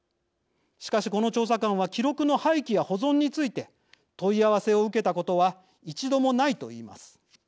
しかしこの調査官は記録の廃棄や保存について問い合わせを受けたことは一度もないといいます。